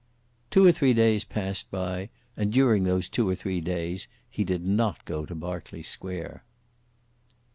Two or three days passed by, and during those two or three days he did not go to Berkeley Square.